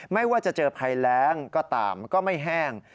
ไม่ว่าจะเจอภัยแรงก็ตามก็ไม่แห้ง